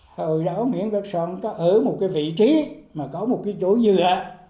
hồi đó nguyễn bắc son có ở một cái vị trí mà có một cái chỗ dựa